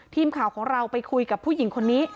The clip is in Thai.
ทีมข่าวของเราไปคุยกับผู้หญิงคนนี้